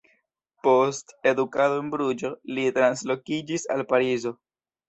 Post edukado en Bruĝo, li translokiĝis al Parizo.